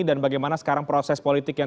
dan bagaimana sekarang proses politik yang